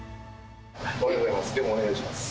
おはようございます。